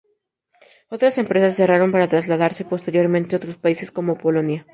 Otras empresas cerraron para trasladarse posteriormente a otros países como Polonia.